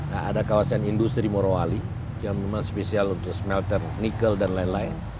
nah ada kawasan industri morowali yang memang spesial untuk smelter nikel dan lain lain